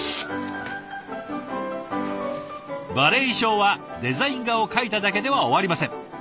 バレエ衣裳はデザイン画を描いただけでは終わりません。